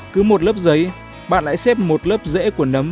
cứ một lớp giấy bạn lại xếp một lớp dễ của nấm